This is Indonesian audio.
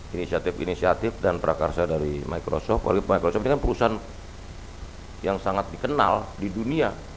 inisiatif inisiatif dan prakarsa dari microsoft oleh perusahaan yang sangat dikenal di dunia